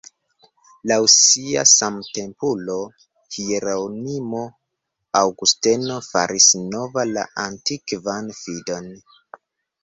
Laŭ sia samtempulo, Hieronimo, Aŭgusteno "faris nova la antikvan fidon.